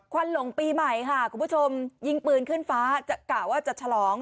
วันหลงปีใหม่ค่ะคุณผู้ชมยิงปืนขึ้นฟ้าจะกะว่าจะฉลอง